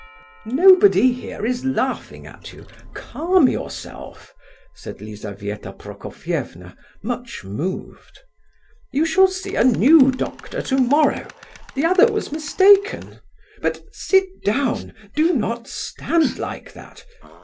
"Nobody here is laughing at you. Calm yourself," said Lizabetha Prokofievna, much moved. "You shall see a new doctor tomorrow; the other was mistaken; but sit down, do not stand like that!